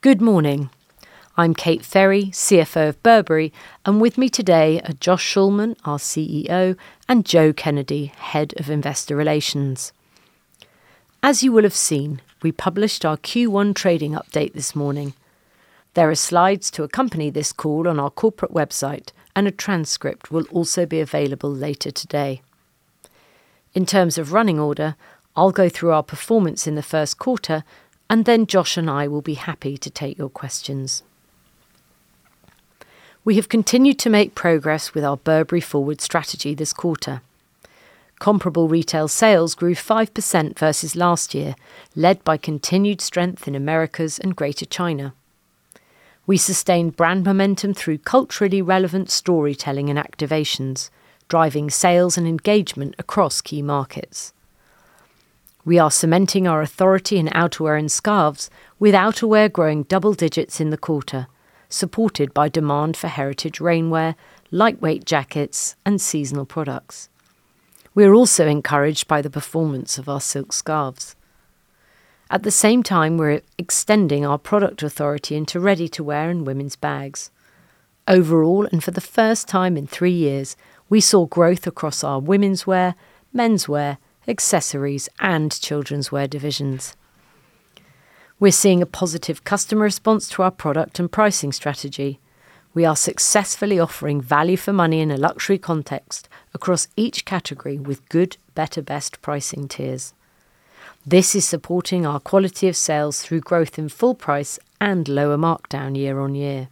Good morning. I'm Kate Ferry, CFO of Burberry, and with me today are Josh Schulman, our CEO, and Jo Kennedy, Head of Investor Relations. As you will have seen, we published our Q1 trading update this morning. There are slides to accompany this call on our corporate website, and a transcript will also be available later today. In terms of running order, I'll go through our performance in the first quarter, and then Josh and I will be happy to take your questions. We have continued to make progress with our Burberry Forward strategy this quarter. Comparable retail sales grew 5% versus last year, led by continued strength in Americas and Greater China. We sustained brand momentum through culturally relevant storytelling and activations, driving sales and engagement across key markets. We are cementing our authority in outerwear and scarves, with outerwear growing double digits in the quarter, supported by demand for heritage rainwear, lightweight jackets, and seasonal products. We are also encouraged by the performance of our silk scarves. At the same time, we're extending our product authority into ready-to-wear and women's bags. Overall, and for the first time in three years, we saw growth across our womenswear, menswear, accessories, and childrenswear divisions. We're seeing a positive customer response to our product and pricing strategy. We are successfully offering value for money in a luxury context across each category with good, better, best pricing tiers. This is supporting our quality of sales through growth in full price and lower markdown year-on-year.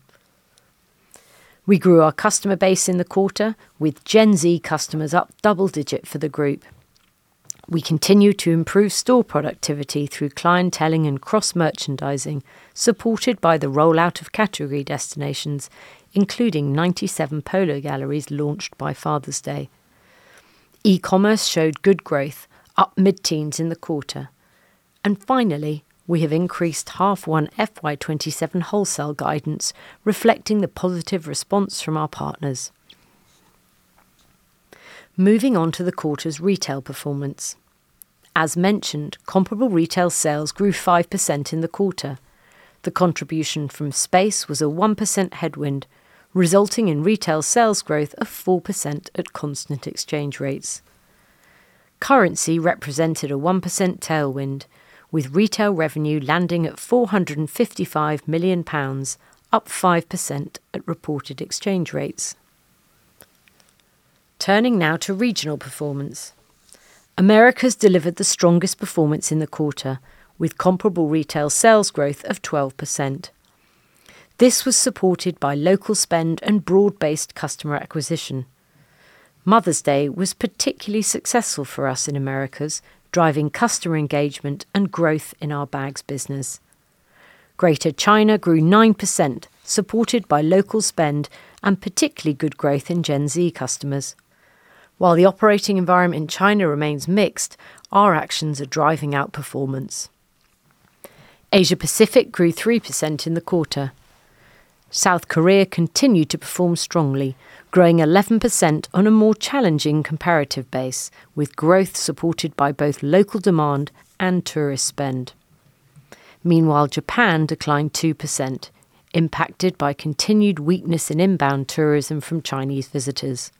We grew our customer base in the quarter with Gen Z customers up double digit for the group. We continue to improve store productivity through clienteling and cross-merchandising, supported by the rollout of category destinations, including 97 polo galleries launched by Father's Day. E-commerce showed good growth, up mid-teens in the quarter. Finally, we have increased half one FY 2027 wholesale guidance, reflecting the positive response from our partners. Moving on to the quarter's retail performance. As mentioned, comparable retail sales grew 5% in the quarter. The contribution from space was a 1% headwind, resulting in retail sales growth of 4% at constant exchange rates. Currency represented a 1% tailwind, with retail revenue landing at 455 million pounds, up 5% at reported exchange rates. Turning now to regional performance. Americas delivered the strongest performance in the quarter, with comparable retail sales growth of 12%. This was supported by local spend and broad-based customer acquisition. Mother's Day was particularly successful for us in Americas, driving customer engagement and growth in our bags business. Greater China grew 9%, supported by local spend and particularly good growth in Gen Z customers. While the operating environment in China remains mixed, our actions are driving outperformance. Asia Pacific grew 3% in the quarter. South Korea continued to perform strongly, growing 11% on a more challenging comparative base, with growth supported by both local demand and tourist spend. Meanwhile, Japan declined 2%, impacted by continued weakness in inbound tourism from Chinese visitors.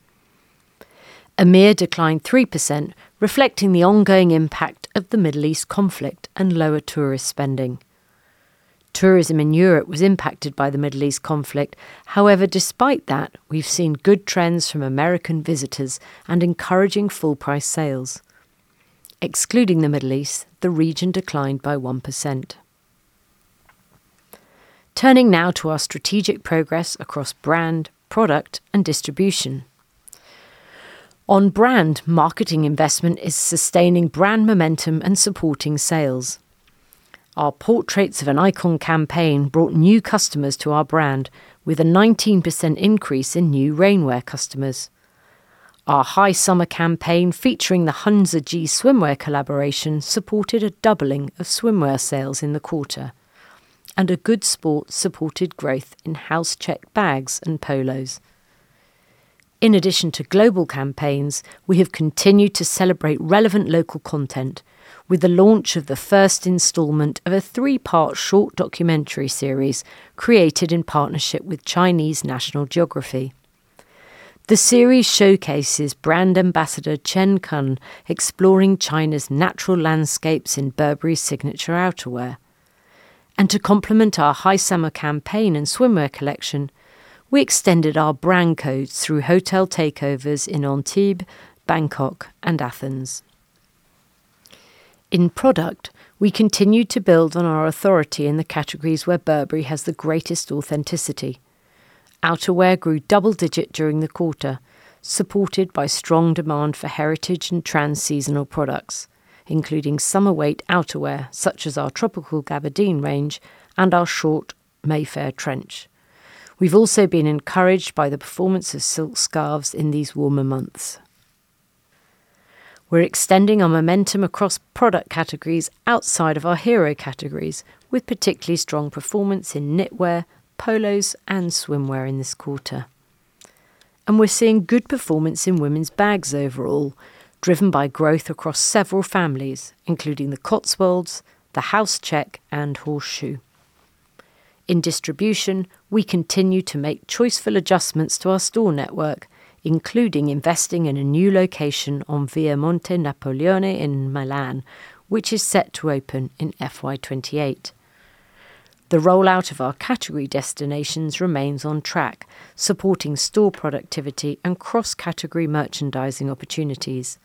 EMEIA declined 3%, reflecting the ongoing impact of the Middle East conflict and lower tourist spending. Tourism in Europe was impacted by the Middle East conflict. However, despite that, we've seen good trends from American visitors and encouraging full price sales. Excluding the Middle East, the region declined by 1%. Turning now to our strategic progress across brand, product, and distribution. On brand, marketing investment is sustaining brand momentum and supporting sales. Our Portraits of an Icon campaign brought new customers to our brand with a 19% increase in new rainwear customers. A Good Sport supported growth in House Check bags and polos. In addition to global campaigns, we have continued to celebrate relevant local content with the launch of the first installment of a three-part short documentary series created in partnership with Chinese National Geography. The series showcases brand ambassador Chen Kun exploring China's natural landscapes in Burberry's signature outerwear. To complement our High Summer campaign and swimwear collection, we extended our brand codes through hotel takeovers in Antibes, Bangkok, and Athens. In product, we continued to build on our authority in the categories where Burberry has the greatest authenticity. Outerwear grew double digit during the quarter, supported by strong demand for heritage and transseasonal products, including summer weight outerwear such as our Tropical Gabardine range and our short Mayfair trench. We've also been encouraged by the performance of silk scarves in these warmer months. We're extending our momentum across product categories outside of our hero categories with particularly strong performance in knitwear, polos, and swimwear in this quarter. We're seeing good performance in women's bags overall, driven by growth across several families, including the Cotswolds, the House Check, and Horseshoe. In distribution, we continue to make choiceful adjustments to our store network, including investing in a new location on Via Monte Napoleone in Milan, which is set to open in FY 2028. The rollout of our category destinations remains on track, supporting store productivity and cross-category merchandising opportunities.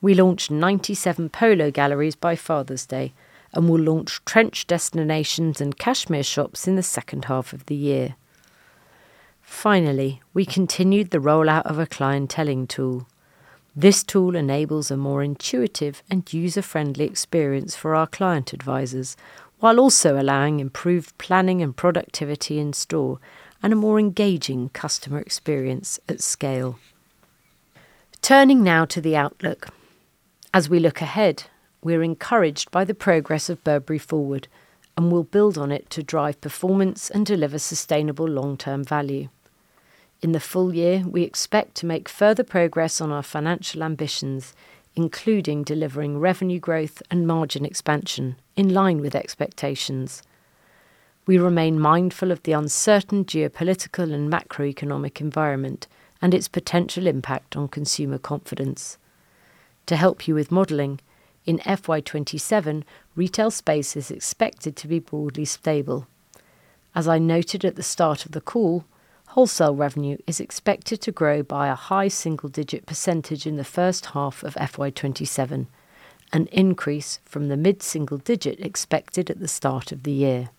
We launched 97 polo galleries by Father's Day and will launch trench destinations and cashmere shops in the second half of the year. Finally, we continued the rollout of a clienteling tool. This tool enables a more intuitive and user-friendly experience for our client advisors, while also allowing improved planning and productivity in-store and a more engaging customer experience at scale. Turning now to the outlook. As we look ahead, we're encouraged by the progress of Burberry Forward, and will build on it to drive performance and deliver sustainable long-term value. In the full year, we expect to make further progress on our financial ambitions, including delivering revenue growth and margin expansion in line with expectations. We remain mindful of the uncertain geopolitical and macroeconomic environment and its potential impact on consumer confidence. To help you with modeling, in FY 2027, retail space is expected to be broadly stable. As I noted at the start of the call, wholesale revenue is expected to grow by a high single-digit percentage in the first half of FY 2027, an increase from the mid-single digit expected at the start of the year.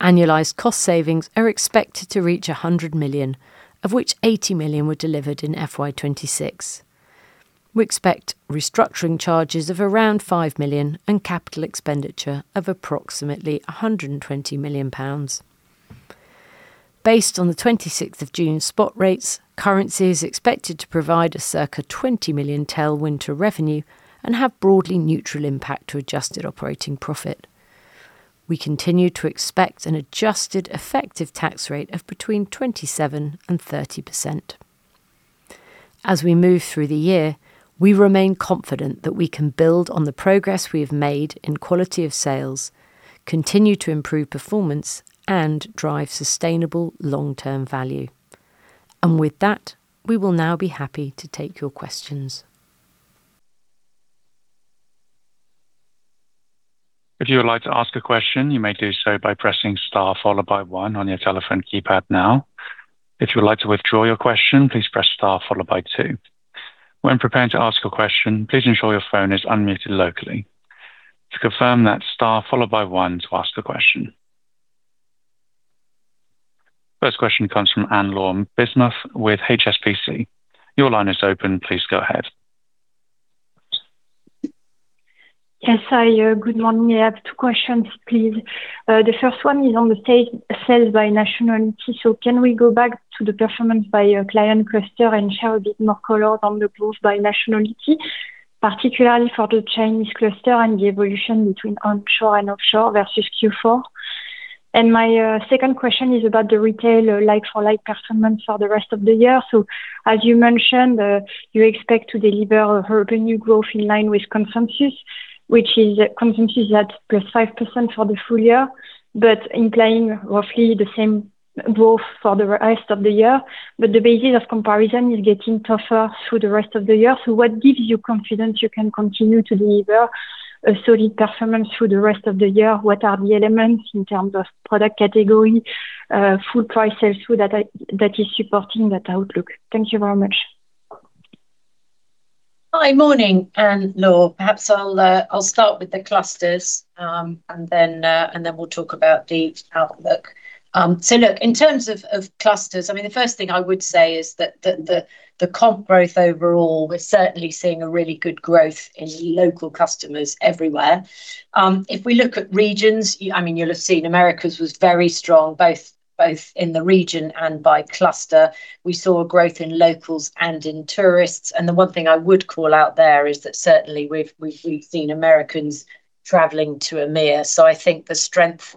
Annualized cost savings are expected to reach 100 million, of which 80 million were delivered in FY 2026. We expect restructuring charges of around 5 million and capital expenditure of approximately 120 million pounds. Based on June 26th spot rates, currency is expected to provide a circa 20 million tailwind to revenue and have broadly neutral impact to adjusted operating profit. We continue to expect an adjusted effective tax rate of between 27% and 30%. As we move through the year, we remain confident that we can build on the progress we have made in quality of sales, continue to improve performance, and drive sustainable long-term value. With that, we will now be happy to take your questions. If you would like to ask a question, you may do so by pressing star followed by one on your telephone keypad now. If you would like to withdraw your question, please press star followed by two. When preparing to ask a question, please ensure your phone is unmuted locally. To confirm that, star followed by one to ask a question. First question comes from Anne-Laure Bismuth with HSBC. Your line is open. Please go ahead. Yes, hi. Good morning. I have two questions, please. The first one is on the sales by nationality. Can we go back to the performance by client cluster and share a bit more color on the growth by nationality, particularly for the Chinese cluster and the evolution between onshore and offshore versus Q4? My second question is about the retail like-for-like performance for the rest of the year. As you mentioned, you expect to deliver revenue growth in line with consensus, which is consensus is at +5% for the full year, implying roughly the same growth for the rest of the year. The basis of comparison is getting tougher through the rest of the year. What gives you confidence you can continue to deliver a solid performance through the rest of the year? What are the elements in terms of product category, full price sales that is supporting that outlook? Thank you very much. Hi. Morning, Anne-Laure. Perhaps I'll start with the clusters, then we'll talk about the outlook. In terms of clusters, the first thing I would say is that the comp growth overall, we're certainly seeing a really good growth in local customers everywhere. If we look at regions, you'll have seen Americas was very strong, both in the region and by cluster. We saw a growth in locals and in tourists. The one thing I would call out there is that certainly we've seen Americans traveling to EMEIA. I think the strength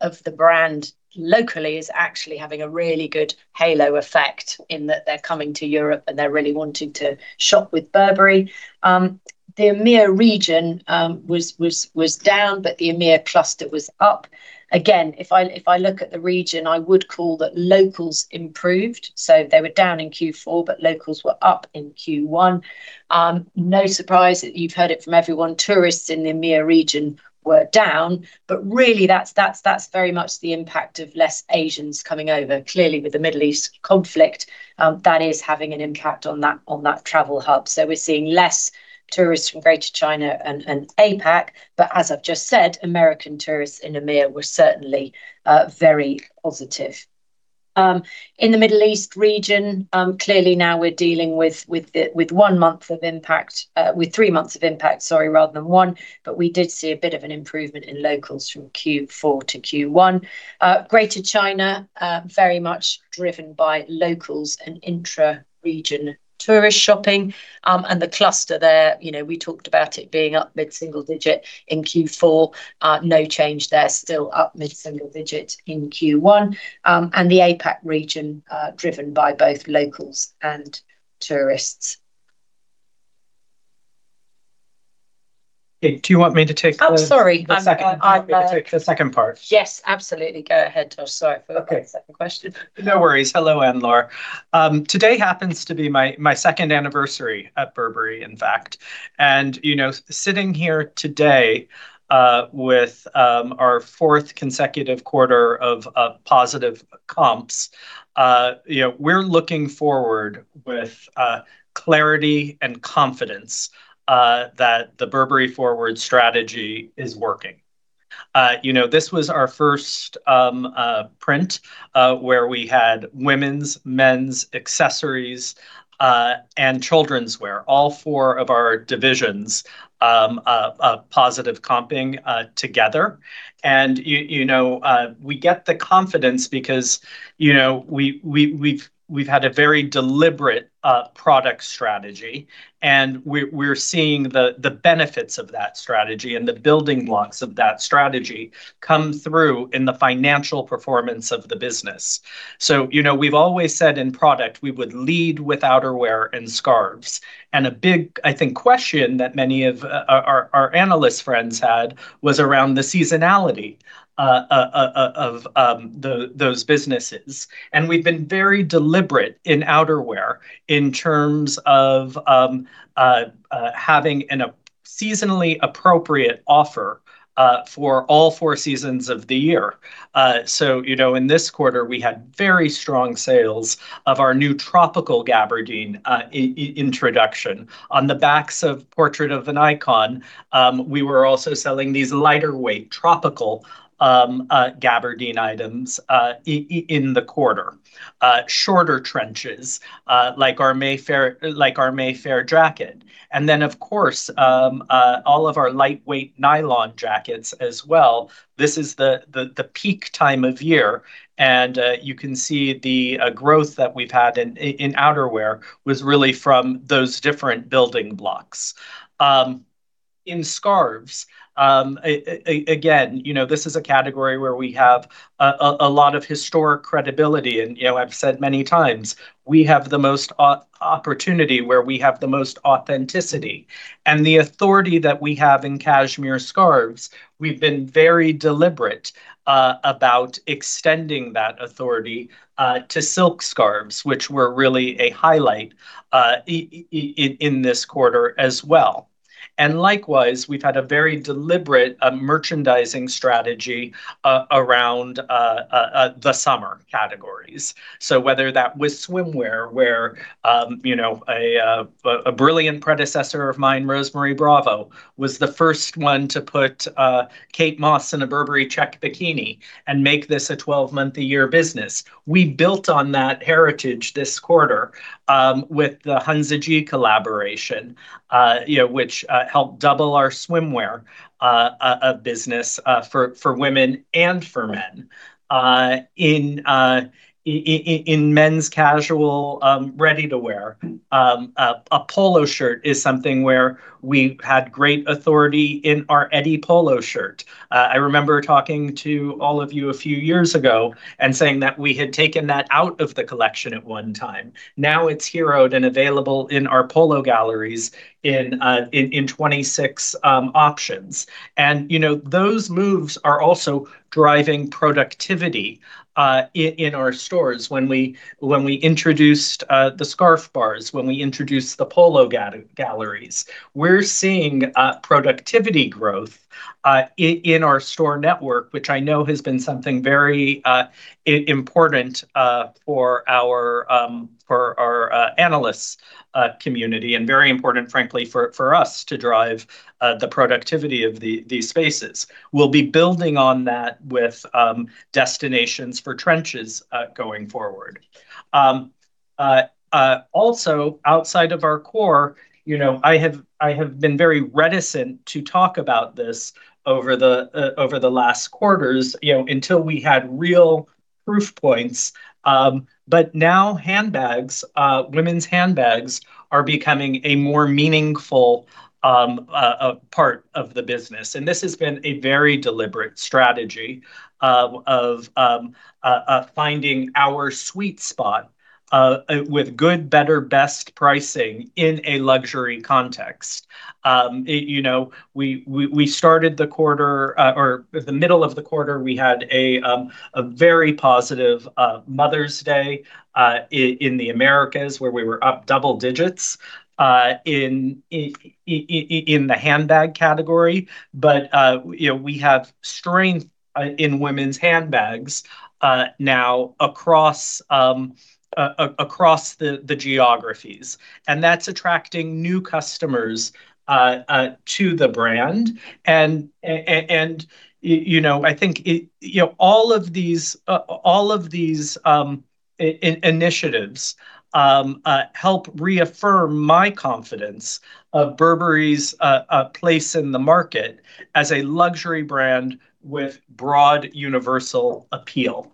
of the brand locally is actually having a really good halo effect in that they're coming to Europe and they're really wanting to shop with Burberry. The EMEIA region was down, but the EMEIA cluster was up. Again, if I look at the region, I would call that locals improved. They were down in Q4, but locals were up in Q1. No surprise, you've heard it from everyone, tourists in the EMEIA region were down, but really that's very much the impact of less Asians coming over. Clearly, with the Middle East conflict, that is having an impact on that travel hub. We're seeing less tourists from Greater China and APAC, but as I've just said, American tourists in EMEIA were certainly very positive. In the Middle East region, clearly now we're dealing with one month of impact, with three months of impact, sorry, rather than one, but we did see a bit of an improvement in locals from Q4 to Q1. Greater China, very much driven by locals and intra-region tourist shopping. The cluster there, we talked about it being up mid-single digit in Q4. No change there, still up mid single-digit in Q1. The APAC region driven by both locals and tourists Hey, do you want me to take the- Oh, sorry. The second part? Yes, absolutely. Go ahead, Josh. Sorry for. Okay. That second question. Hello, Anne-Laure. Today happens to be my second anniversary at Burberry, in fact. Sitting here today with our fourth consecutive quarter of positive comps, we're looking forward with clarity and confidence that the Burberry Forward strategy is working. This was our first print where we had women's, men's, accessories, and children's wear, all four of our divisions, positive comping together. We get the confidence because we've had a very deliberate product strategy, and we're seeing the benefits of that strategy and the building blocks of that strategy come through in the financial performance of the business. We've always said in product, we would lead with outerwear and scarves. A big, I think, question that many of our analyst friends had was around the seasonality of those businesses. We've been very deliberate in outerwear in terms of having a seasonally appropriate offer for all four seasons of the year. In this quarter, we had very strong sales of our new Tropical Gabardine introduction. On the backs of Portraits of an Icon, we were also selling these lighter weight Tropical Gabardine items in the quarter. Shorter trenches, like our Mayfair jacket. Then, of course, all of our lightweight nylon jackets as well. This is the peak time of year, and you can see the growth that we've had in outerwear was really from those different building blocks. In scarves, again, this is a category where we have a lot of historic credibility and I've said many times, we have the most opportunity where we have the most authenticity. The authority that we have in cashmere scarves, we've been very deliberate about extending that authority to silk scarves, which were really a highlight in this quarter as well. Likewise, we've had a very deliberate merchandising strategy around the summer categories. Whether that was swimwear, where a brilliant predecessor of mine, Rose Marie Bravo, was the first one to put Kate Moss in a Burberry check bikini and make this a 12-month-a-year business. We built on that heritage this quarter with the Hunza G collaboration, which helped double our swimwear business for women and for men. In men's casual ready-to-wear, a polo shirt is something where we had great authority in our Eddie polo shirt. I remember talking to all of you a few years ago and saying that we had taken that out of the collection at one time. Now it's heroed and available in our polo galleries in 26 options. Those moves are also driving productivity in our stores. When we introduced the scarf bars, when we introduced the polo galleries, we're seeing productivity growth in our store network, which I know has been something very important for our analyst community, and very important, frankly, for us to drive the productivity of these spaces. We'll be building on that with destinations for trenches going forward. Also, outside of our core, I have been very reticent to talk about this over the last quarters until we had real proof points. Now handbags, women's handbags are becoming a more meaningful part of the business, and this has been a very deliberate strategy of finding our sweet spot with good, better, best pricing in a luxury context. In the middle of the quarter, we had a very positive Mother's Day in the Americas where we were up double digits in the handbag category. We have strength in women's handbags now across the geographies, and that's attracting new customers to the brand. I think all of these initiatives help reaffirm my confidence of Burberry's place in the market as a luxury brand with broad universal appeal.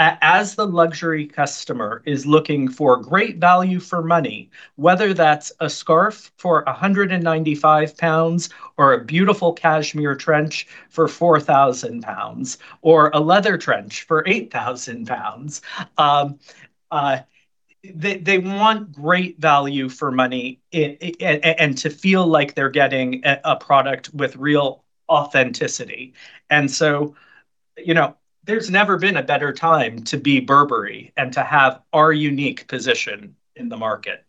As the luxury customer is looking for great value for money, whether that's a scarf for 195 pounds or a beautiful cashmere trench for 4,000 pounds, or a leather trench for 8,000 pounds. They want great value for money and to feel like they're getting a product with real authenticity. There's never been a better time to be Burberry and to have our unique position in the market.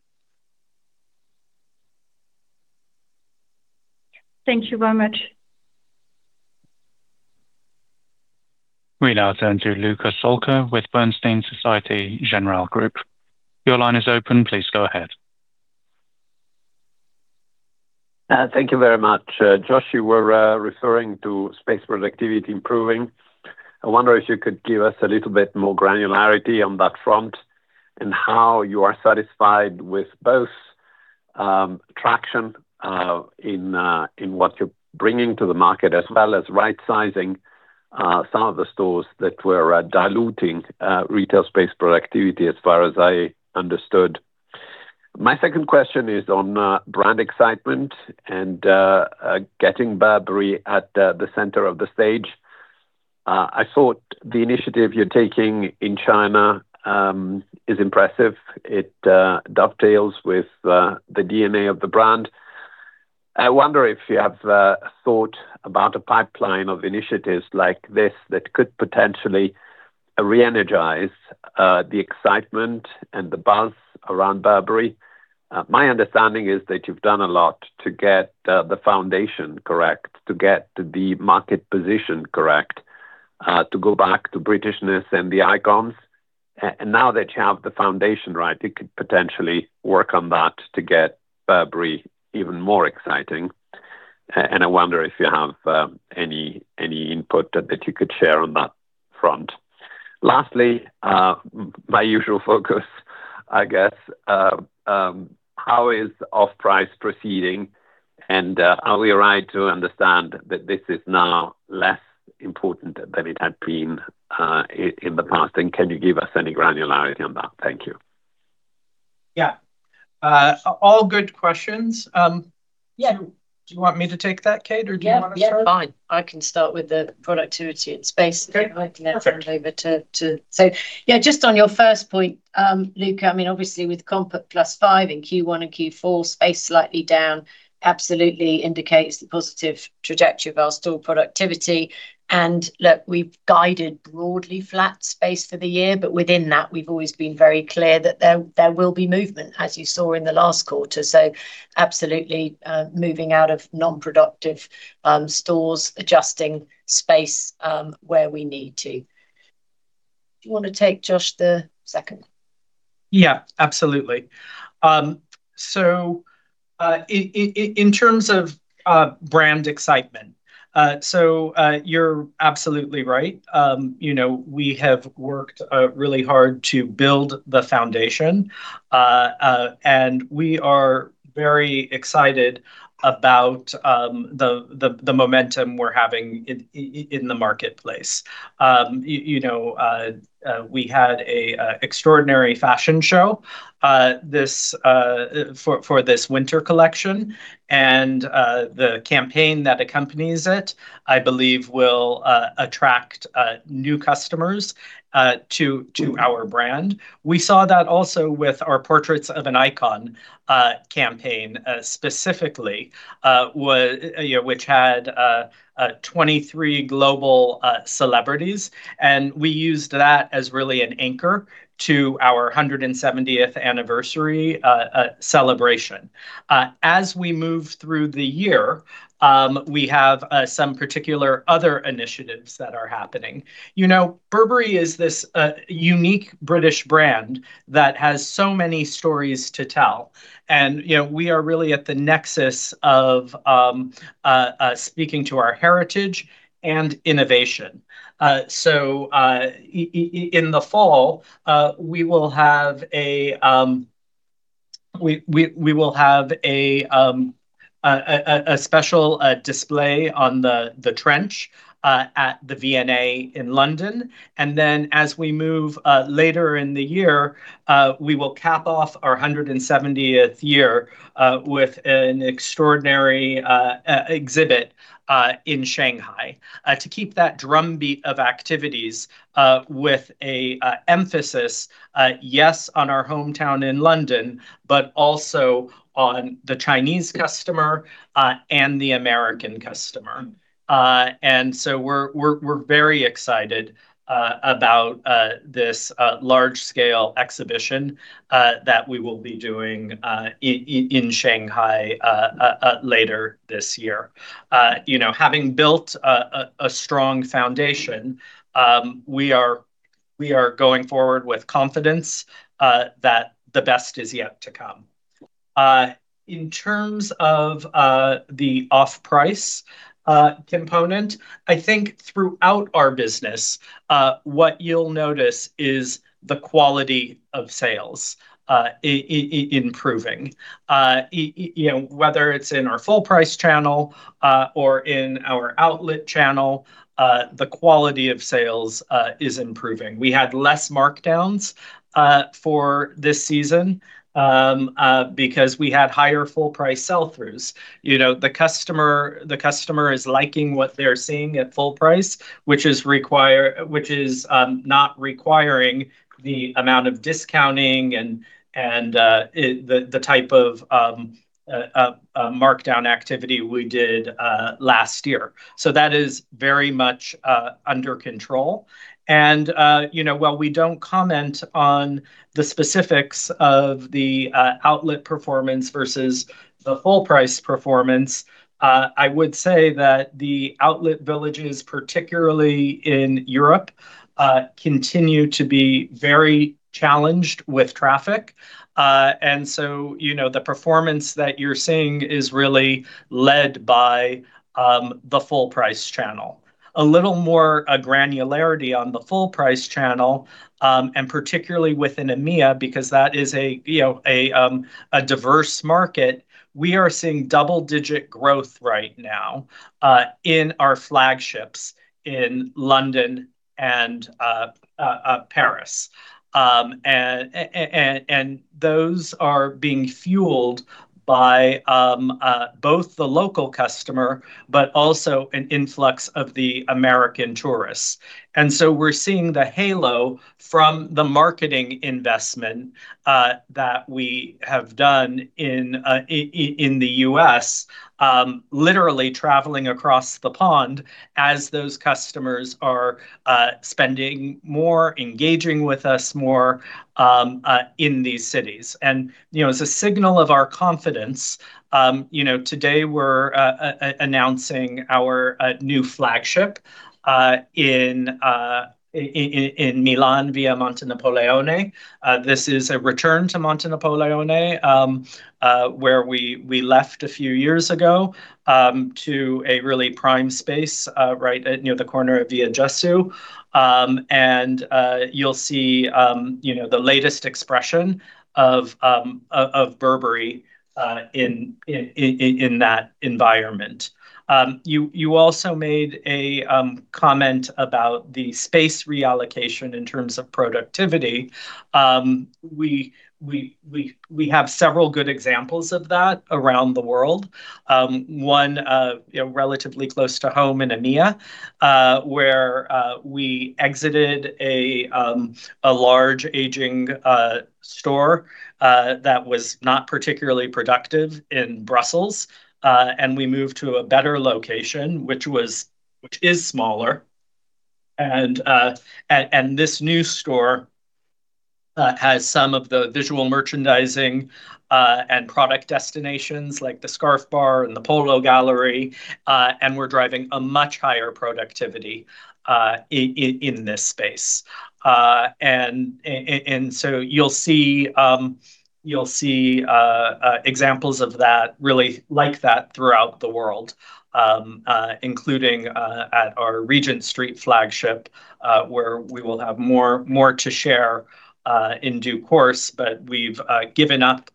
Thank you very much. We now turn to Luca Solca with Bernstein Societe Generale Group. Your line is open. Please go ahead. Thank you very much. Josh, you were referring to space productivity improving. I wonder if you could give us a little bit more granularity on that front and how you are satisfied with both traction in what you're bringing to the market as well as right-sizing some of the stores that were diluting retail space productivity, as far as I understood. My second question is on brand excitement and getting Burberry at the center of the stage. I thought the initiative you're taking in China is impressive. It dovetails with the DNA of the brand. I wonder if you have thought about a pipeline of initiatives like this that could potentially re-energize the excitement and the buzz around Burberry. My understanding is that you've done a lot to get the foundation correct, to get the market position correct, to go back to Britishness and the icons. Now that you have the foundation right, you could potentially work on that to get Burberry even more exciting, and I wonder if you have any input that you could share on that front. Lastly, my usual focus I guess. How is off-price proceeding? Are we right to understand that this is now less important than it had been in the past, and can you give us any granularity on that? Thank you. Yeah. All good questions. Yeah. Do you want me to take that, Kate, or do you want to start? Yeah, fine. I can start with the productivity and space. Okay, perfect. Yeah, just on your first point, Luca, obviously with comp at +5% in Q1 and Q4, space slightly down absolutely indicates the positive trajectory of our store productivity. Look, we've guided broadly flat space for the year, but within that, we've always been very clear that there will be movement, as you saw in the last quarter. Absolutely moving out of non-productive stores, adjusting space where we need to. Do you want to take, Josh, the second? Yeah, absolutely. In terms of brand excitement, you're absolutely right. We have worked really hard to build the foundation. We are very excited about the momentum we're having in the marketplace. We had an extraordinary fashion show for this winter collection, and the campaign that accompanies it, I believe, will attract new customers to our brand. We saw that also with our Portraits of an Icon campaign, specifically, which had 23 global celebrities, and we used that as really an anchor to our 170th anniversary celebration. As we move through the year, we have some particular other initiatives that are happening. Burberry is this unique British brand that has so many stories to tell, and we are really at the nexus of speaking to our heritage and innovation. In the fall, we will have a special display on the trench at the V&A in London. As we move later in the year, we will cap off our 170th year with an extraordinary exhibit in Shanghai to keep that drumbeat of activities with an emphasis, yes, on our hometown in London, also on the Chinese customer and the American customer. We're very excited about this large-scale exhibition that we will be doing in Shanghai later this year. Having built a strong foundation, we are going forward with confidence that the best is yet to come. In terms of the off-price component, I think throughout our business, what you'll notice is the quality of sales improving. Whether it's in our full-price channel or in our outlet channel, the quality of sales is improving. We had less markdowns for this season because we had higher full-price sell-throughs. The customer is liking what they're seeing at full price, which is not requiring the amount of discounting and the type of markdown activity we did last year. That is very much under control. While we don't comment on the specifics of the outlet performance versus the full-price performance, I would say that the outlet villages, particularly in Europe, continue to be very challenged with traffic. The performance that you're seeing is really led by the full-price channel. A little more granularity on the full-price channel, and particularly within EMEIA, because that is a diverse market. We are seeing double-digit growth right now in our flagships in London and Paris. Those are being fueled by both the local customer, but also an influx of the American tourists. We're seeing the halo from the marketing investment that we have done in the U.S., literally traveling across the pond as those customers are spending more, engaging with us more in these cities. As a signal of our confidence, today we're announcing our new flagship in Milan Via Monte Napoleone. This is a return to Monte Napoleone, where we left a few years ago, to a really prime space right near the corner of Via Gesù. You'll see the latest expression of Burberry in that environment. You also made a comment about the space reallocation in terms of productivity. We have several good examples of that around the world. One relatively close to home in EMEIA, where we exited a large aging store that was not particularly productive in Brussels. We moved to a better location, which is smaller. This new store has some of the visual merchandising and product destinations, like the scarf bar and the polo gallery, and we're driving a much higher productivity in this space. You'll see examples of that, really like that, throughout the world, including at our Regent Street flagship, where we will have more to share in due course. We've given up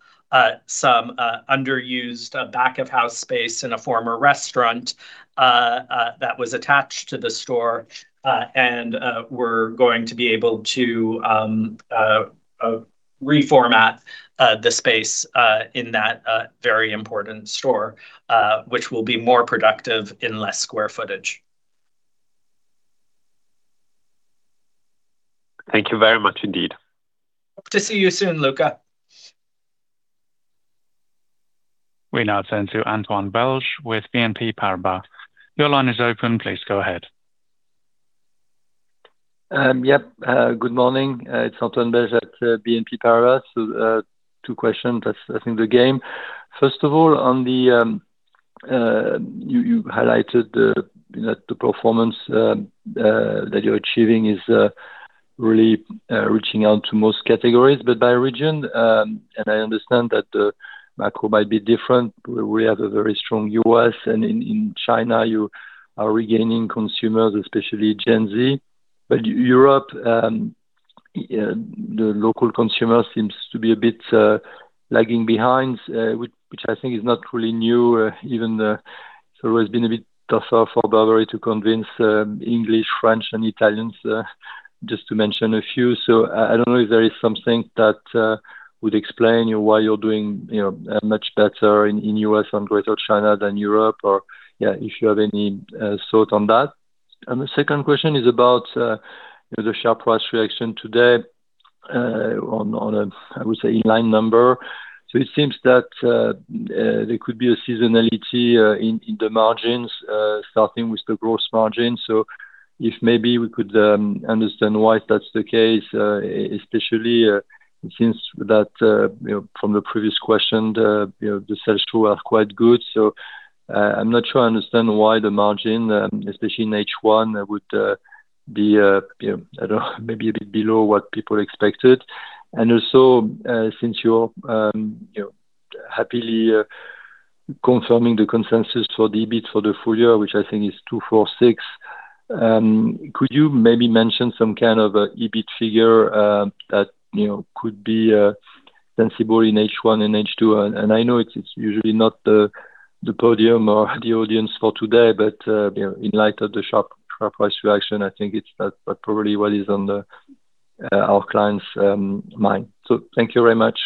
some underused back-of-house space in a former restaurant that was attached to the store. We're going to be able to reformat the space in that very important store, which will be more productive in less square footage. Thank you very much indeed. Hope to see you soon, Luca. We now turn to Antoine Belge with BNP Paribas. Your line is open. Please go ahead. Yep. Good morning. It's Antoine Belge at BNP Paribas. Two questions that's in the game. First of all, you highlighted that the performance that you're achieving is really reaching out to most categories. By region, and I understand that the macro might be different. We have a very strong U.S., and in China you are regaining consumers, especially Gen Z. Europe, the local consumer seems to be a bit lagging behind, which I think is not really new. Even so, it has been a bit tougher for Burberry to convince English, French, and Italians, just to mention a few. I don't know if there is something that would explain why you're doing much better in U.S. and Greater China than Europe, or yeah, if you have any thought on that. The second question is about the share price reaction today on a, I would say, in-line number. It seems that there could be a seasonality in the margins, starting with the gross margin. If maybe we could understand why that's the case, especially since that from the previous question, the sell-through are quite good. I'm not sure I understand why the margin, especially in H1, be, I don't know, maybe a bit below what people expected. Also, since you're happily confirming the consensus for the EBIT for the full year, which I think is 246 million, could you maybe mention some kind of a EBIT figure that could be sensible in H1 and H2? I know it's usually not the podium or the audience for today, but in light of the sharp price reaction, I think that probably what is on our clients' mind. Thank you very much.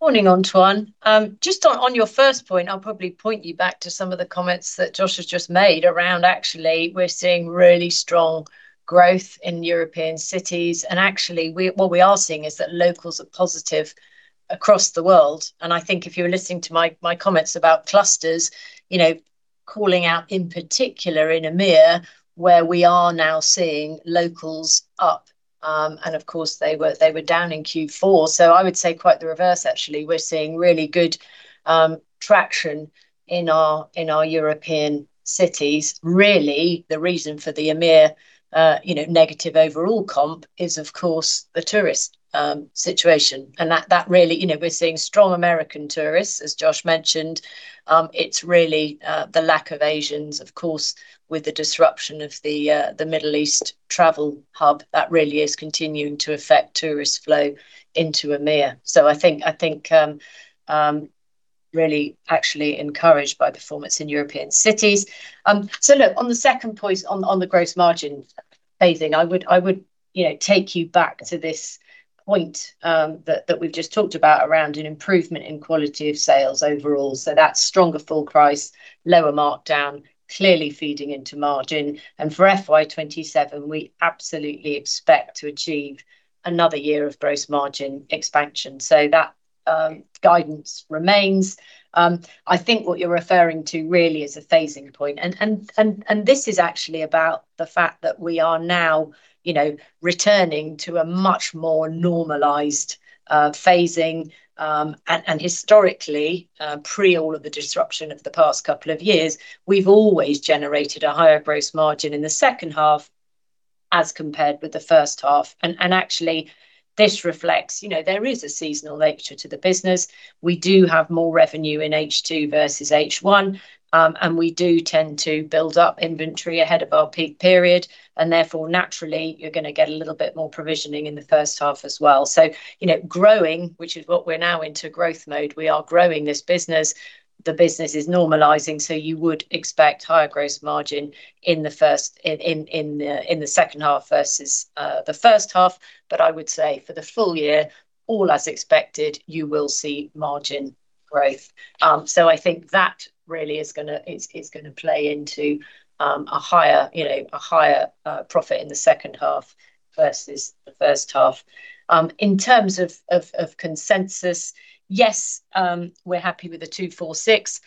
Morning, Antoine. Just on your first point, I'll probably point you back to some of the comments that Josh has just made around actually, we're seeing really strong growth in European cities. Actually, what we are seeing is that locals are positive across the world. I think if you're listening to my comments about clusters, calling out in particular in EMEIA, where we are now seeing locals up. Of course, they were down in Q4. I would say quite the reverse actually. We're seeing really good traction in our European cities. Really the reason for the EMEIA negative overall comp is, of course, the tourist situation, and that really We're seeing strong American tourists, as Josh mentioned. It's really the lack of Asians, of course, with the disruption of the Middle East travel hub. That really is continuing to affect tourist flow into EMEIA. I think really actually encouraged by performance in European cities. Look, on the second point, on the gross margin phasing, I would take you back to this point that we've just talked about around an improvement in quality of sales overall. That's stronger full price, lower markdown, clearly feeding into margin. For FY 2027, we absolutely expect to achieve another year of gross margin expansion. That guidance remains. I think what you're referring to really is a phasing point. This is actually about the fact that we are now returning to a much more normalized phasing. Historically, pre all of the disruption of the past couple of years, we've always generated a higher gross margin in the second half as compared with the first half. Actually, this reflects, there is a seasonal nature to the business. We do have more revenue in H2 versus H1. We do tend to build up inventory ahead of our peak period, and therefore, naturally you're going to get a little bit more provisioning in the first half as well. Growing, which is what we're now into growth mode. We are growing this business. The business is normalizing, you would expect higher gross margin in the second half versus the first half. I would say for the full year, all as expected, you will see margin growth. I think that really is going to play into a higher profit in the second half versus the first half. In terms of consensus, yes, we're happy with the 246.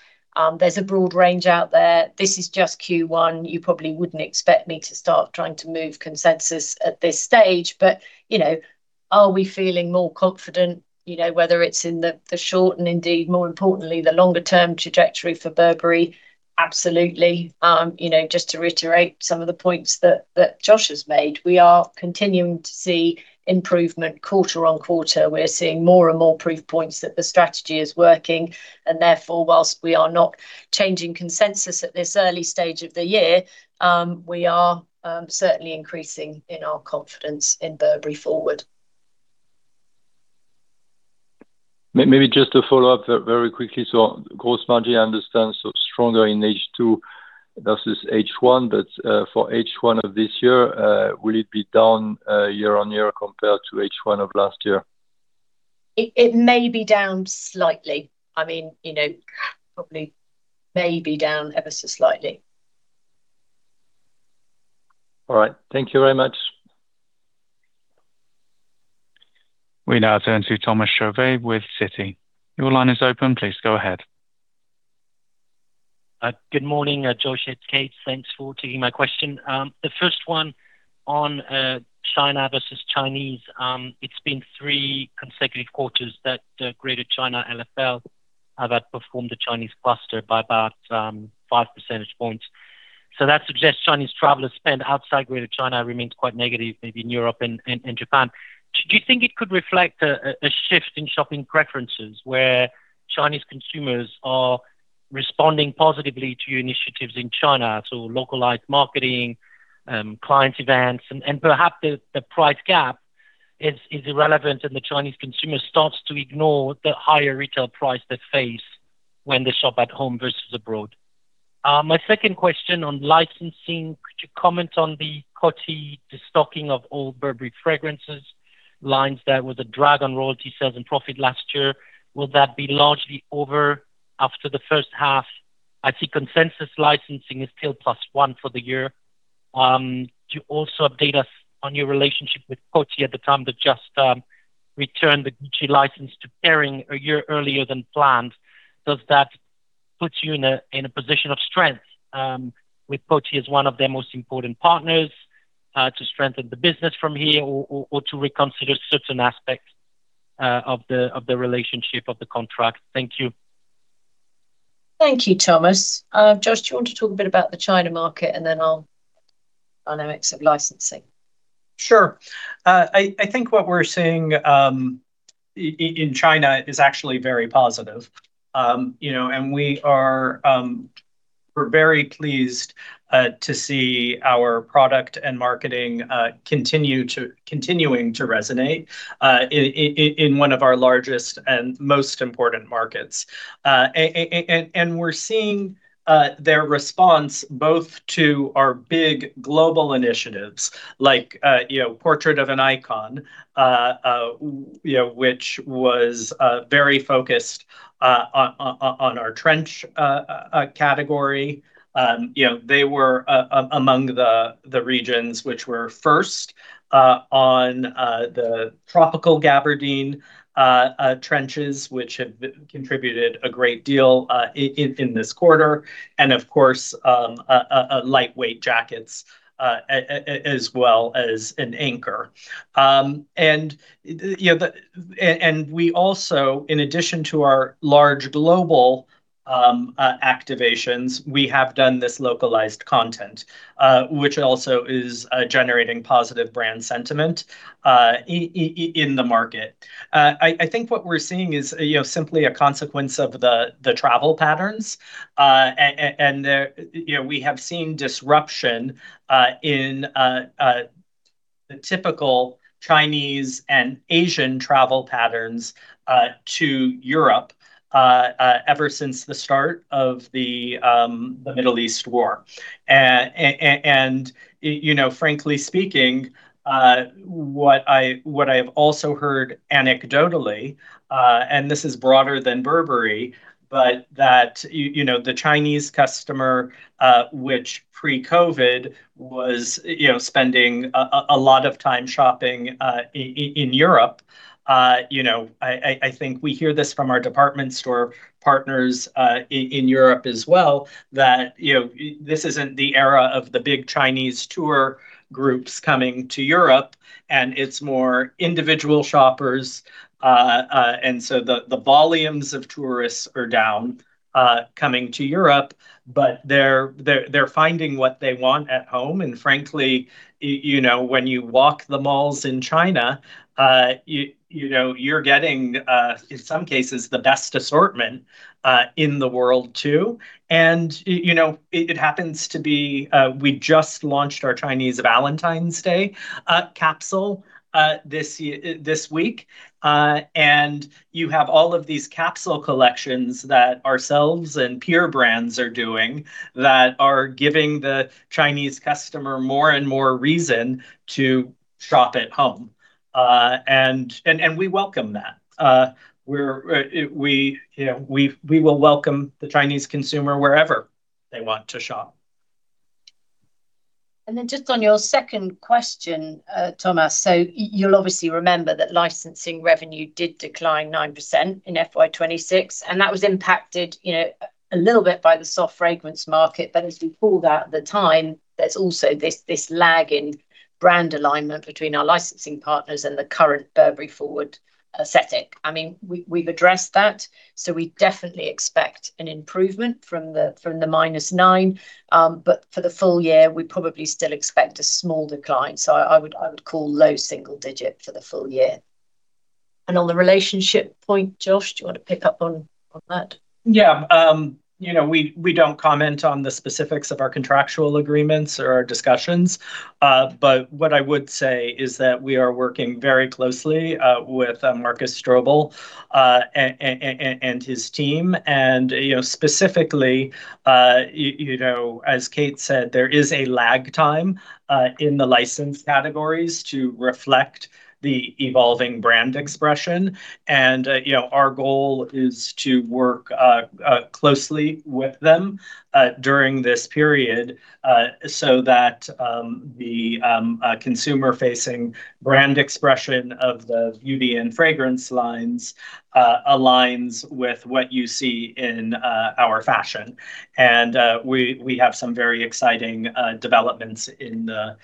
There's a broad range out there. This is just Q1. You probably wouldn't expect me to start trying to move consensus at this stage. Are we feeling more confident? Whether it's in the short and indeed more importantly, the longer-term trajectory for Burberry, absolutely. Just to reiterate some of the points that Josh has made, we are continuing to see improvement quarter-on-quarter. We're seeing more and more proof points that the strategy is working, and therefore, while we are not changing consensus at this early stage of the year, we are certainly increasing in our confidence in Burberry Forward. Maybe just to follow up very quickly. Gross margin, I understand, stronger in H2 versus H1. For H1 of this year, will it be down year-on-year compared to H1 of last year? It may be down slightly. Probably may be down ever so slightly. All right. Thank you very much. We now turn to Thomas Chauvet with Citi. Your line is open. Please go ahead. Good morning, Josh and Kate. Thanks for taking my question. The first one on China versus Chinese. It's been three consecutive quarters that Greater China LFL have outperformed the Chinese cluster by about five percentage points. That suggests Chinese traveler spend outside Greater China remains quite negative, maybe in Europe and Japan. Do you think it could reflect a shift in shopping preferences where Chinese consumers are responding positively to initiatives in China? Localized marketing, client events, and perhaps the price gap is irrelevant, and the Chinese consumer starts to ignore the higher retail price they face when they shop at home versus abroad. My second question on licensing, could you comment on the Coty destocking of all Burberry fragrances lines that was a drag on royalty sales and profit last year? Will that be largely over after the first half? I see consensus licensing is still plus one for the year. Could you also update us on your relationship with Coty at the time that just returned the Gucci license to Kering a year earlier than planned? Does that put you in a position of strength with Coty as one of their most important partners to strengthen the business from here, or to reconsider certain aspects of the relationship of the contract? Thank you. Thank you, Thomas. Josh, do you want to talk a bit about the China market, dynamics of licensing? Sure. I think what we're seeing in China is actually very positive. We're very pleased to see our product and marketing continuing to resonate in one of our largest and most important markets. We're seeing their response both to our big global initiatives like Portraits of an Icon, which was very focused on our trench category. They were among the regions which were first on the Tropical Gabardine trenches, which have contributed a great deal in this quarter, and of course, lightweight jackets, as well as an anchor. We also, in addition to our large global activations, we have done this localized content, which also is generating positive brand sentiment in the market. I think what we're seeing is simply a consequence of the travel patterns. We have seen disruption in the typical Chinese and Asian travel patterns to Europe ever since the start of the Middle East war. Frankly speaking, what I have also heard anecdotally, and this is broader than Burberry, but that the Chinese customer, which pre-COVID was spending a lot of time shopping in Europe. I think we hear this from our department store partners in Europe as well, that this isn't the era of the big Chinese tour groups coming to Europe. It's more individual shoppers. The volumes of tourists are down coming to Europe, but they're finding what they want at home. Frankly, when you walk the malls in China, you're getting, in some cases, the best assortment in the world, too. It happens to be, we just launched our Chinese Valentine's Day capsule this week. You have all of these capsule collections that ourselves and peer brands are doing that are giving the Chinese customer more and more reason to shop at home. We welcome that. We will welcome the Chinese consumer wherever they want to shop. Just on your second question, Thomas, you'll obviously remember that licensing revenue did decline 9% in FY 2026, and that was impacted a little bit by the soft fragrance market. As we called out at the time, there's also this lag in brand alignment between our licensing partners and the current Burberry Forward aesthetic. We've addressed that. We definitely expect an improvement from the -9%. For the full year, we probably still expect a small decline. I would call low single digit for the full year. On the relationship point, Josh, do you want to pick up on that? Yeah. We don't comment on the specifics of our contractual agreements or our discussions, but what I would say is that we are working very closely with Markus Strobel and his team. And specifically, as Kate said, there is a lag time in the license categories to reflect the evolving brand expression. And our goal is to work closely with them during this period so that the consumer-facing brand expression of the beauty and fragrance lines aligns with what you see in our fashion. And we have some very exciting developments in the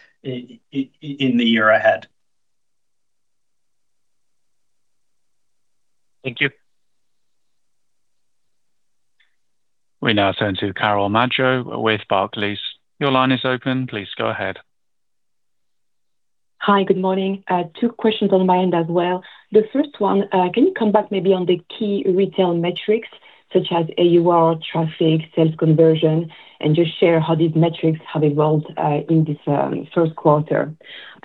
year ahead. Thank you. We now turn to Carole Madjo with Barclays. Your line is open. Please go ahead. Hi. Good morning. Two questions on my end as well. The first one, can you come back maybe on the key retail metrics such as AUR traffic, sales conversion, and just share how these metrics have evolved in this first quarter?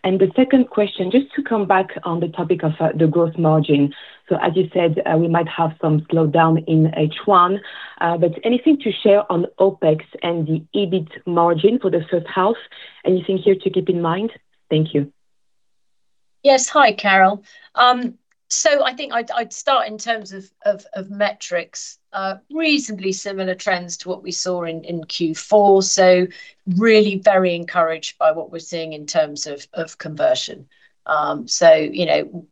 The second question, just to come back on the topic of the gross margin. As you said, we might have some slowdown in H1, anything to share on OpEx and the EBIT margin for the first half? Anything here to keep in mind? Thank you. Yes. Hi, Carole. I think I'd start in terms of metrics, reasonably similar trends to what we saw in Q4. Really very encouraged by what we're seeing in terms of conversion. You know,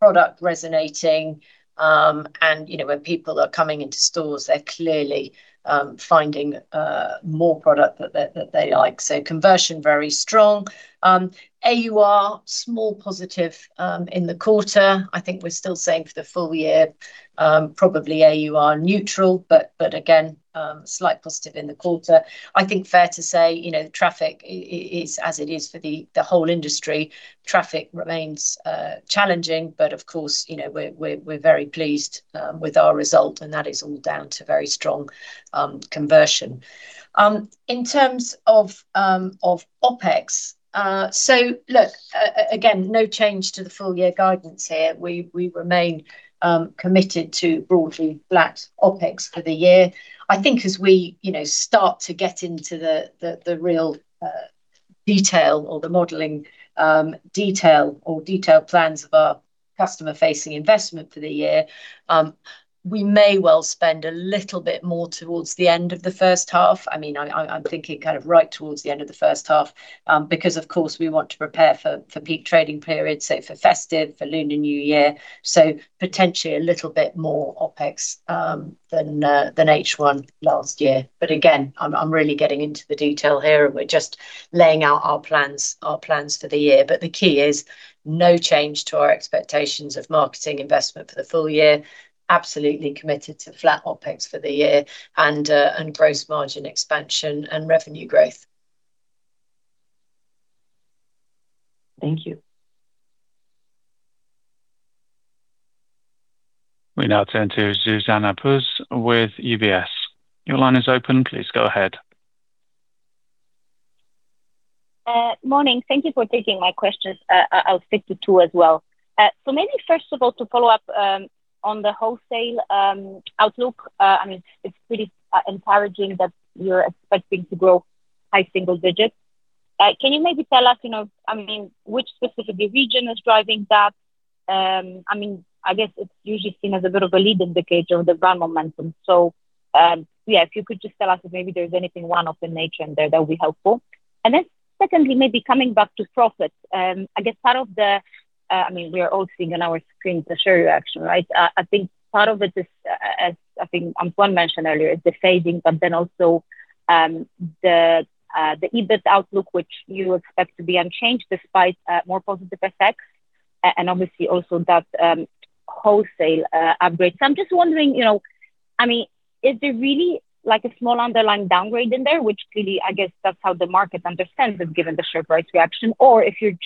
product resonating, and when people are coming into stores, they're clearly finding more product that they like. Conversion, very strong. AUR, small positive in the quarter. I think we're still saying for the full year probably AUR neutral. Again, slight positive in the quarter. I think fair to say, traffic is as it is for the whole industry. Traffic remains challenging, of course, we're very pleased with our result, and that is all down to very strong conversion. In terms of OpEx. Look, again, no change to the full year guidance here. We remain committed to broadly flat OpEx for the year. I think as we start to get into the real detail or the modeling detail or detailed plans of our customer-facing investment for the year, we may well spend a little bit more towards the end of the first half. I'm thinking right towards the end of the first half because of course we want to prepare for peak trading periods, so for festive, for Lunar New Year, so potentially a little bit more OpEx than H1 last year. Again, I'm really getting into the detail here, and we're just laying out our plans for the year. The key is no change to our expectations of marketing investment for the full year. Absolutely committed to flat OpEx for the year and gross margin expansion and revenue growth. Thank you. We now turn to Zuzanna Pusz with UBS. Your line is open. Please go ahead. Morning. Thank you for taking my questions. I'll stick to two as well. Maybe first of all, to follow up on the wholesale outlook. It's pretty encouraging that you're expecting to grow high single-digits. Can you maybe tell us which specific region is driving that? I guess it's usually seen as a bit of a lead indicator of the brand momentum. Yeah, if you could just tell us if maybe there's anything one-off in nature in there, that would be helpful. Secondly, maybe coming back to profits. We are all seeing on our screens the share reaction, right? I think part of it is, as I think Antoine mentioned earlier, the phasing, but then also the EBIT outlook, which you expect to be unchanged despite more positive FX, and obviously also that wholesale upgrade. I'm just wondering, is there really a small underlying downgrade in there? Which really, I guess that's how the market understands it, given the share price reaction. Or if you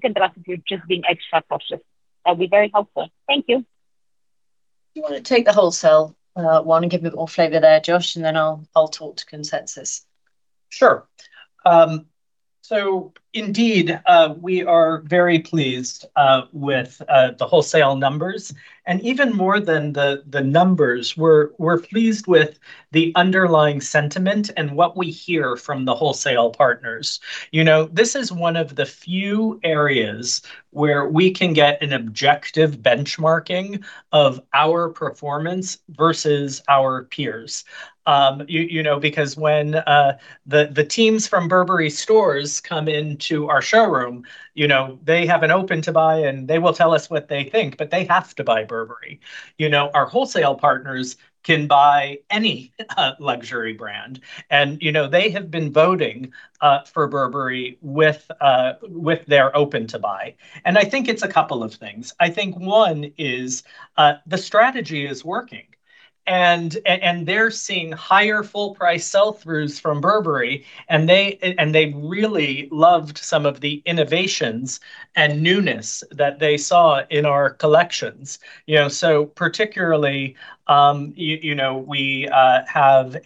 can tell us if you're just being extra cautious. That'd be very helpful. Thank you. Do you want to take the wholesale one and give a bit more flavor there, Josh, and then I'll talk to consensus. Sure. Indeed, we are very pleased with the wholesale numbers. Even more than the numbers, we're pleased with the underlying sentiment and what we hear from the wholesale partners. This is one of the few areas where we can get an objective benchmarking of our performance versus our peers. Because when the teams from Burberry stores come into our showroom, they have an open to buy and they will tell us what they think, but they have to buy Burberry. Our wholesale partners can buy any luxury brand, and they have been voting for Burberry with their open to buy. I think it's a couple of things. I think one is the strategy is working, they're seeing higher full price sell-throughs from Burberry, and they really loved some of the innovations and newness that they saw in our collections. Particularly, we have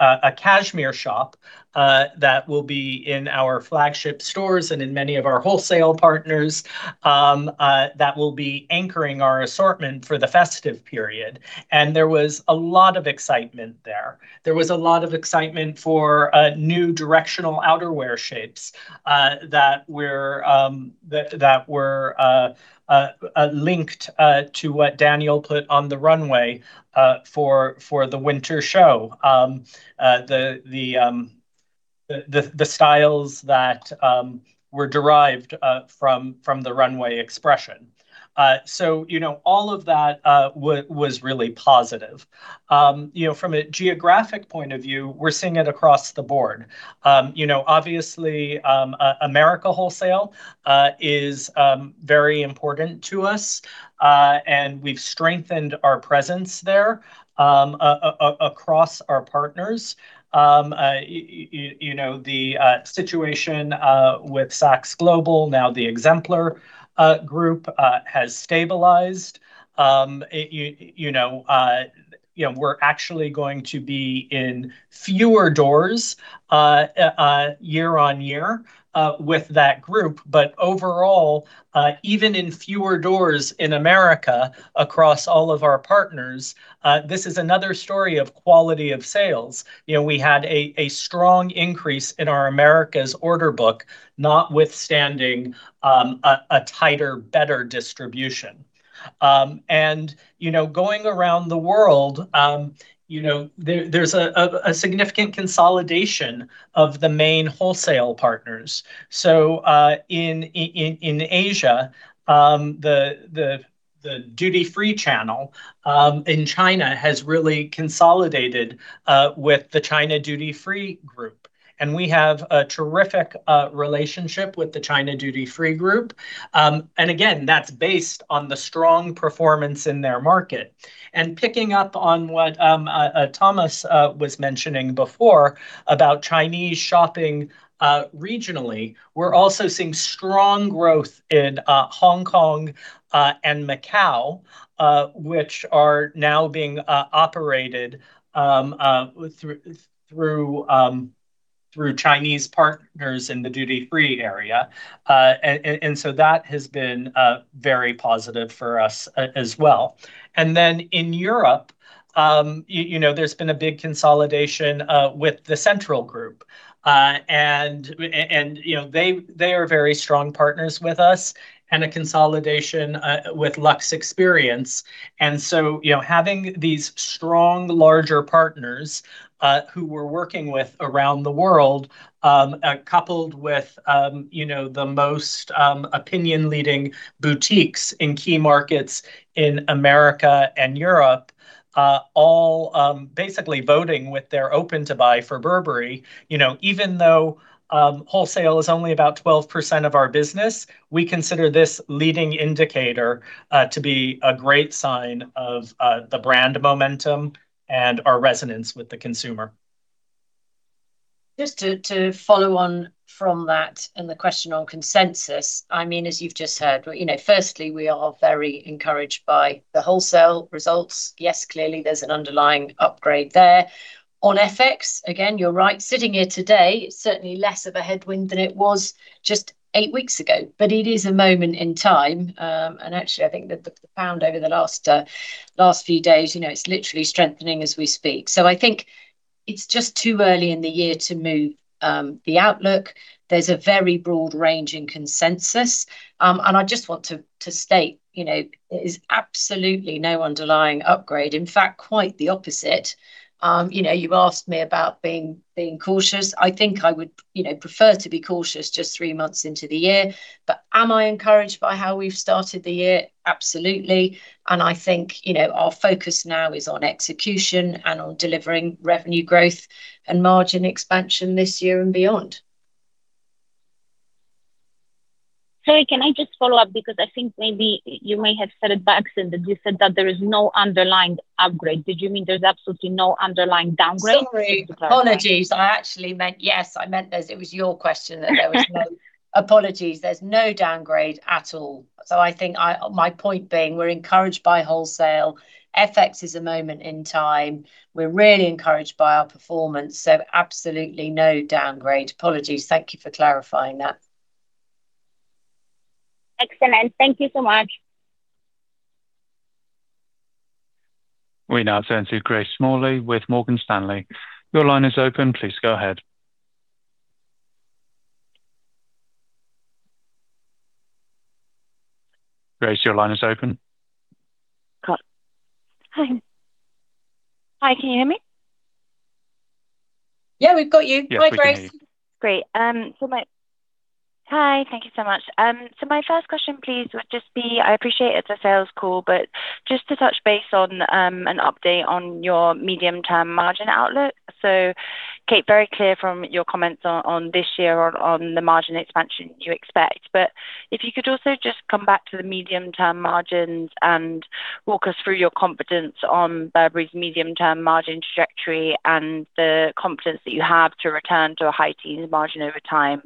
a cashmere shop that will be in our flagship stores and in many of our wholesale partners that will be anchoring our assortment for the festive period. There was a lot of excitement there. There was a lot of excitement for new directional outerwear shapes that were linked to what Daniel put on the runway for the winter show. The styles that were derived from the runway expression. All of that was really positive. From a geographic point of view, we're seeing it across the board. Obviously, America wholesale is very important to us. We've strengthened our presence there across our partners. The situation with Saks Global, now the Exemplar Group, has stabilized. We're actually going to be in fewer doors year-on-year with that group. Overall, even in fewer doors in America across all of our partners, this is another story of quality of sales. We had a strong increase in our America's order book, notwithstanding a tighter, better distribution. Going around the world, there's a significant consolidation of the main wholesale partners. In Asia, the duty-free channel in China has really consolidated with the China Duty Free Group, and we have a terrific relationship with the China Duty Free Group. Again, that's based on the strong performance in their market. Picking up on what Thomas was mentioning before about Chinese shopping regionally, we're also seeing strong growth in Hong Kong and Macau which are now being operated through Chinese partners in the duty-free area. So that has been very positive for us as well. In Europe, there's been a big consolidation with the Central Group, and they are very strong partners with us, and a consolidation with LuxExperience. Having these strong, larger partners who we're working with around the world, coupled with the most opinion-leading boutiques in key markets in America and Europe all basically voting with their open to buy for Burberry. Even though wholesale is only about 12% of our business, we consider this leading indicator to be a great sign of the brand momentum and our resonance with the consumer. Just to follow on from that and the question on consensus. As you've just heard, firstly, we are very encouraged by the wholesale results. Yes, clearly there's an underlying upgrade there. On FX, again, you're right, sitting here today, it's certainly less of a headwind than it was just eight weeks ago, but it is a moment in time. Actually, I think that the pound over the last few days, it's literally strengthening as we speak. I think it's just too early in the year to move the outlook. There's a very broad range in consensus. I just want to state, there is absolutely no underlying upgrade. In fact, quite the opposite. You asked me about being cautious. I think I would prefer to be cautious just three months into the year. Am I encouraged by how we've started the year? Absolutely. I think, our focus now is on execution and on delivering revenue growth and margin expansion this year and beyond. Sorry, can I just follow up, because I think maybe you may have said it back, you said that there is no underlying upgrade. Did you mean there's absolutely no underlying downgrade? Just to clarify. Sorry. Apologies. I actually meant, yes, Apologies. There's no downgrade at all. I think my point being, we're encouraged by wholesale. FX is a moment in time. We're really encouraged by our performance, so absolutely no downgrade. Apologies. Thank you for clarifying that. Excellent. Thank you so much. We now turn to Grace Smalley with Morgan Stanley. Your line is open. Please go ahead. Grace, your line is open. Hi. Hi, can you hear me? Yeah, we've got you. Yes, we can hear you. Great. Hi, thank you so much. My first question, please, would just be, I appreciate it's a sales call, but just to touch base on an update on your medium-term margin outlook. Kate, very clear from your comments on this year on the margin expansion you expect, but if you could also just come back to the medium-term margins and walk us through your confidence on Burberry's medium-term margin trajectory and the confidence that you have to return to a high teens margin over time.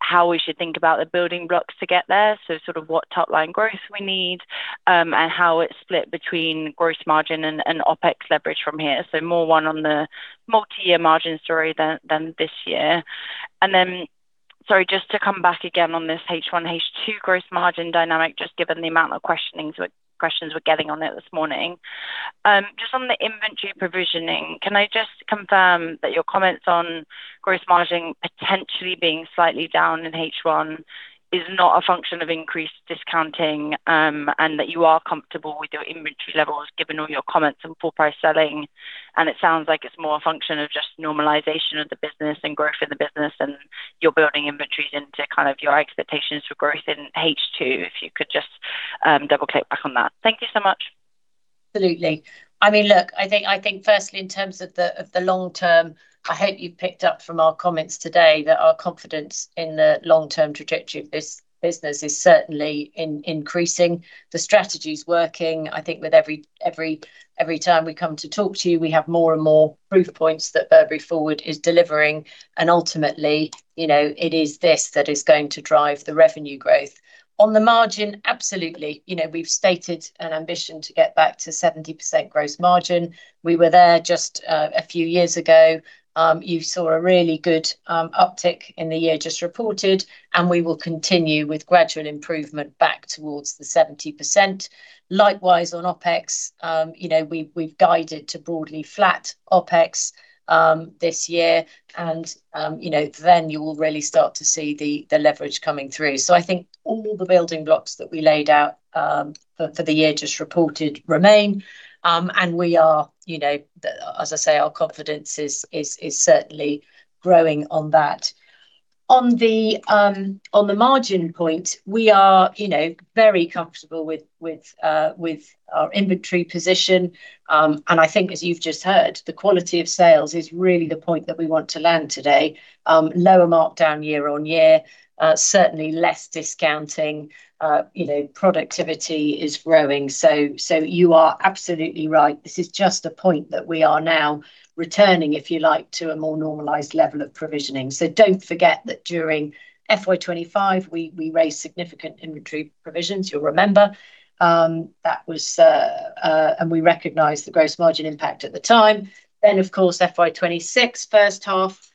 How we should think about the building blocks to get there, so sort of what top-line growth we need, and how it's split between gross margin and OpEx leverage from here. More one on the multi-year margin story than this year. Sorry, just to come back again on this H1, H2 gross margin dynamic, just given the amount of questions we're getting on it this morning. Just on the inventory provisioning, can I just confirm that your comments on gross margin potentially being slightly down in H1 is not a function of increased discounting, and that you are comfortable with your inventory levels given all your comments on full price selling. It sounds like it's more a function of just normalization of the business and growth in the business and you're building inventories into kind of your expectations for growth in H2. If you could just double-click back on that. Thank you so much. Absolutely. Look, I think firstly, in terms of the long term, I hope you picked up from our comments today that our confidence in the long-term trajectory of this business is certainly increasing. The strategy's working. I think with every time we come to talk to you, we have more and more proof points that Burberry Forward is delivering, and ultimately, it is this that is going to drive the revenue growth. On the margin, absolutely. We've stated an ambition to get back to 70% gross margin. We were there just a few years ago. You saw a really good uptick in the year just reported, and we will continue with gradual improvement back towards the 70%. Likewise, on OpEx, we've guided to broadly flat OpEx this year. You will really start to see the leverage coming through. I think all the building blocks that we laid out for the year just reported remain, and as I say, our confidence is certainly growing on that. On the margin point, we are very comfortable with our inventory position. I think as you've just heard, the quality of sales is really the point that we want to land today. Lower markdown year-over-year. Certainly less discounting. Productivity is growing. You are absolutely right. This is just a point that we are now returning, if you like, to a more normalized level of provisioning. Don't forget that during FY 2025, we raised significant inventory provisions, you'll remember. We recognized the gross margin impact at the time. Of course, FY 2026 first half,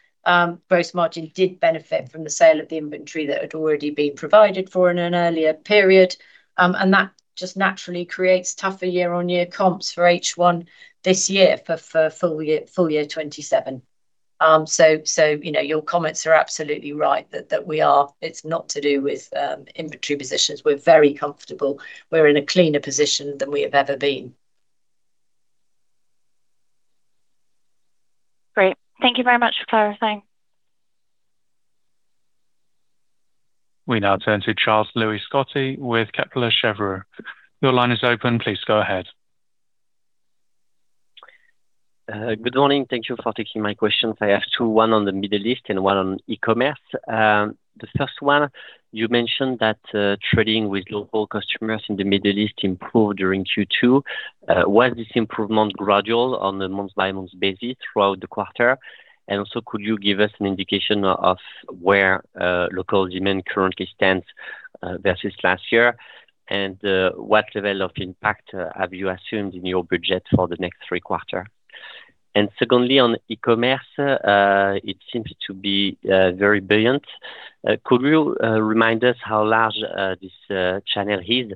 gross margin did benefit from the sale of the inventory that had already been provided for in an earlier period. That just naturally creates tougher year-on-year comps for H1 this year for FY 2027. Your comments are absolutely right. It is not to do with inventory positions. We are very comfortable. We are in a cleaner position than we have ever been. Great. Thank you very much for clarifying. We now turn to Charles-Louis Scotti with Kepler Cheuvreux. Your line is open. Please go ahead. Good morning. Thank you for taking my questions. I have two, one on the Middle East and one on e-commerce. The first one, you mentioned that trading with local customers in the Middle East improved during Q2. Was this improvement gradual on the month-by-month basis throughout the quarter? Also, could you give us an indication of where local demand currently stands versus last year? What level of impact have you assumed in your budget for the next three quarter? Secondly, on e-commerce, it seems to be very brilliant. Could you remind us how large this channel is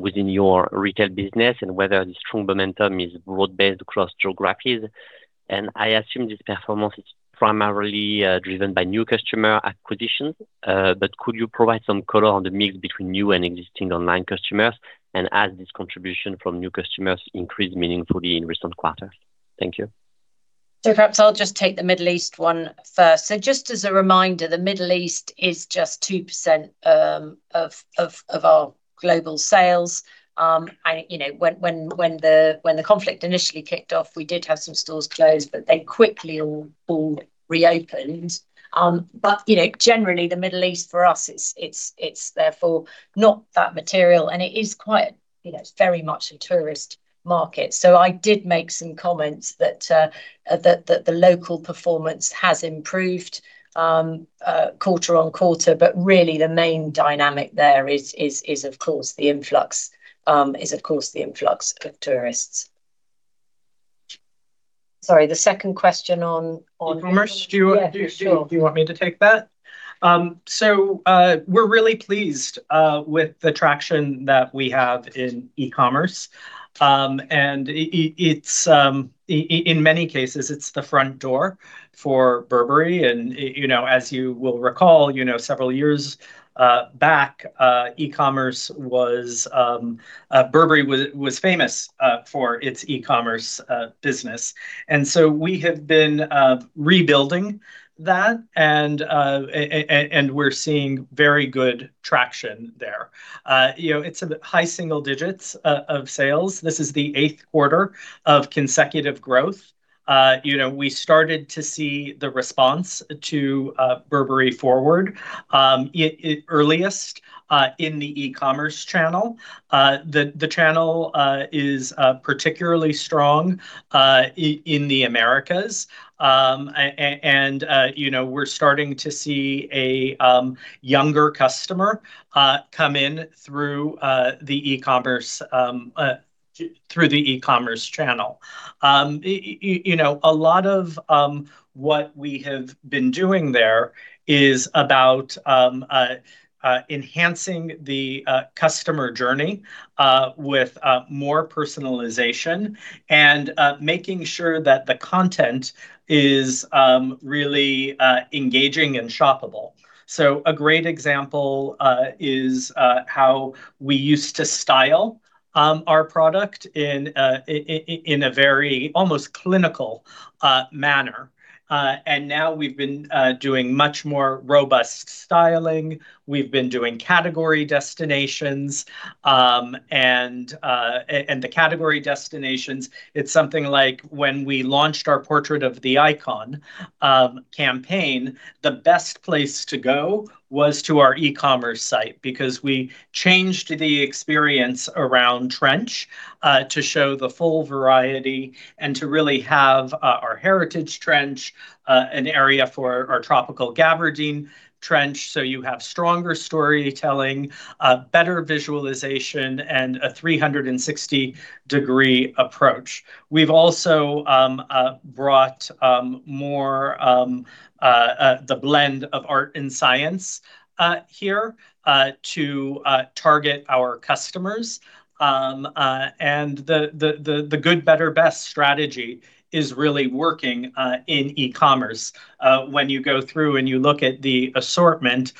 within your retail business and whether the strong momentum is broad-based across geographies? I assume this performance is primarily driven by new customer acquisition. Could you provide some color on the mix between new and existing online customers? Has this contribution from new customers increased meaningfully in recent quarters? Thank you. Perhaps I'll just take the Middle East one first. Just as a reminder, the Middle East is just 2% of our global sales. When the conflict initially kicked off, we did have some stores closed, but they quickly all reopened. Generally the Middle East for us, it's therefore not that material, and it's very much a tourist market. I did make some comments that the local performance has improved quarter-on-quarter. Really the main dynamic there is of course the influx of tourists. Sorry, the second question on. E-commerce. Yeah. Sure. Do you want me to take that? We're really pleased with the traction that we have in e-commerce. In many cases it's the front door for Burberry and as you will recall, several years back, Burberry was famous for its e-commerce business. We have been rebuilding that and we're seeing very good traction there. It's high single-digits of sales. This is the eighth quarter of consecutive growth. We started to see the response to Burberry Forward earliest in the e-commerce channel. The channel is particularly strong in the Americas. We're starting to see a younger customer come in through the e-commerce channel. A lot of what we have been doing there is about enhancing the customer journey with more personalization and making sure that the content is really engaging and shoppable. A great example is how we used to style our product in a very almost clinical manner. Now we've been doing much more robust styling. We've been doing category destinations, the category destinations, it's something like when we launched our Portraits of an Icon campaign, the best place to go was to our e-commerce site because we changed the experience around trench to show the full variety and to really have our heritage trench, an area for our Tropical Gabardine trench so you have stronger storytelling, better visualization, and a 360-degree approach. We've also brought more the blend of art and science here to target our customers. The good, better, best strategy is really working in e-commerce. When you go through and you look at the assortment,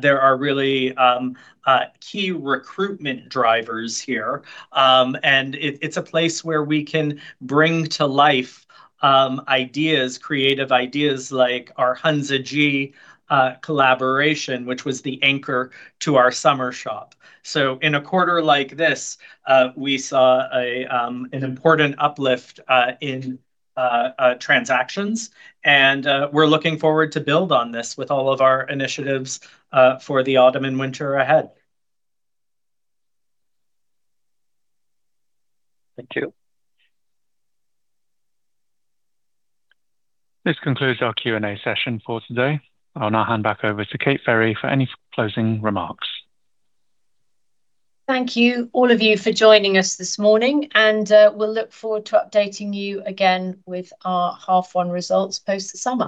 there are really key recruitment drivers here. It's a place where we can bring to life ideas, creative ideas like our Zhang Jingyi collaboration, which was the anchor to our summer shop. In a quarter like this, we saw an important uplift in transactions and we're looking forward to build on this with all of our initiatives for the autumn and winter ahead. Thank you. This concludes our Q&A session for today. I'll now hand back over to Kate Ferry for any closing remarks. Thank you, all of you for joining us this morning. We'll look forward to updating you again with our half one results post summer